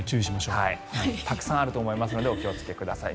たくさんあると思いますのでお気をつけください。